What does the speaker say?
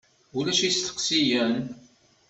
Ulac isteqsiyen?